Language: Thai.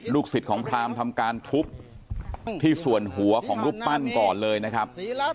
สิทธิ์ของพรามทำการทุบที่ส่วนหัวของรูปปั้นก่อนเลยนะครับ